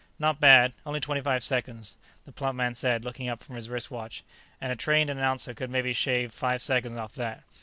"Not bad; only twenty five seconds," the plump man said, looking up from his wrist watch. "And a trained announcer could maybe shave five seconds off that.